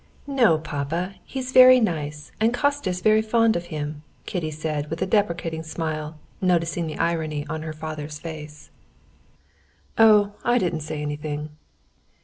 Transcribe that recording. "No, papa, he's very nice, and Kostya's very fond of him," Kitty said, with a deprecating smile, noticing the irony on her father's face. "Oh, I didn't say anything."